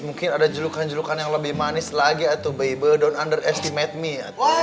mungkin ada julukan julukan yang lebih manis lagi atau baby don't underestimate me atau